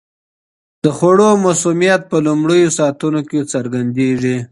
د خوړو مسمومیت په لومړیو ساعتونو کې څرګندیږي.